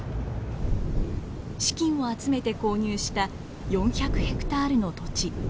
資金を集めて購入した４００ヘクタールの土地。